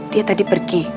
dia tadi pergi